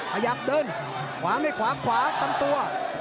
พยาบเดินวางให้ขวาฟาตรวรรค์ตัมตัว